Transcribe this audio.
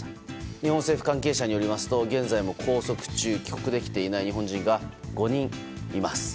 日本政府関係者によりますと現在も拘束中帰国できていない日本人が５人います。